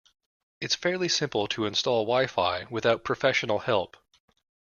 It's fairly simple to install wi-fi without professional help.